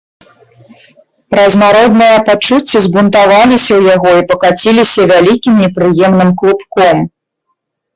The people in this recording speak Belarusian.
Разнародныя пачуцці збунтаваліся ў яго і пакаціліся вялікім, непрыемным клубком.